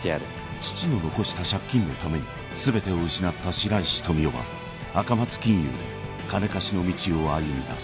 ［父の残した借金のために全てを失った白石富生は赤松金融で金貸しの道を歩みだす］